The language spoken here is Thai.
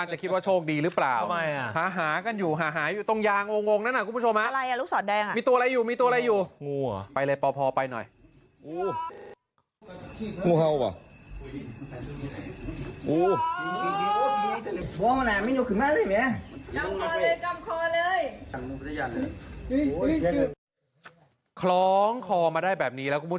ขอให้โชคดีแล้วกันนะคะครับ